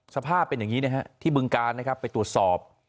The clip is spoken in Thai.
สภาพเป็นอย่างนี้นะฮะที่บึงการนะครับไปตรวจสอบ